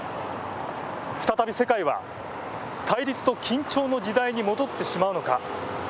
再び世界は対立と緊張の時代に戻ってしまうのか。